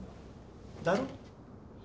だろ？